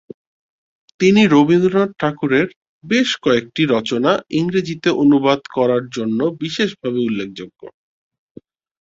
তিনি রবীন্দ্রনাথ ঠাকুরের বেশ কয়েকটি রচনা ইংরেজিতে অনুবাদ করার জন্য বিশেষভাবে উল্লেখযোগ্য।